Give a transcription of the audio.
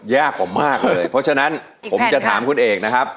ยากกว่ามากเลยเพราะฉะนั้นผมจะถามคุณเอกนะครับ